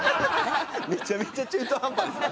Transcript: めちゃめちゃ中途半端ですね。